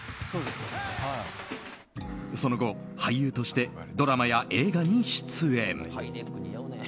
その後、俳優としてドラマや映画に出演。